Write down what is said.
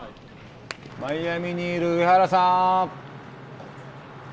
マイアミにいる上原さん。